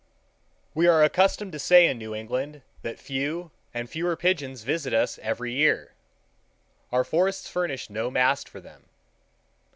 We are accustomed to say in New England that few and fewer pigeons visit us every year. Our forests furnish no mast for them.